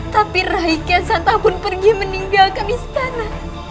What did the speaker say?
tapi rai kiansantapun pergi meninggalkan istana